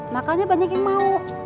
makanya banyak yang mau